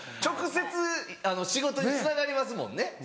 直接仕事につながりますもんね。